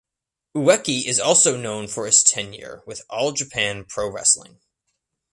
Ueki is also known for his tenure with All Japan Pro Wrestling.